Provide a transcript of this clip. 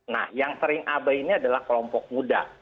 nah yang sering abai ini adalah kelompok muda